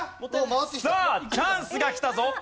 さあチャンスがきたぞ。